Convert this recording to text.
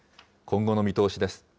今後の見通しです。